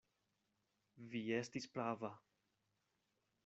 Vi estis prava.